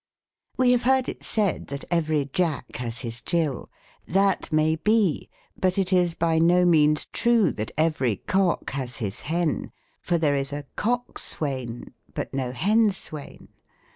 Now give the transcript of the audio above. We have heard it said, that every Jack has his Jill. That may be ; but it is by no means true that every cock has his hen ; for there is a Cock swain, but no Hen swain.